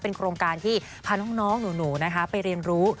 โครงการที่พาน้องหนูไปเรียนรู้